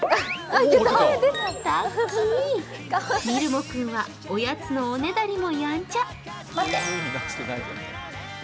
みるも君はおやつのおねだりもやんちゃ。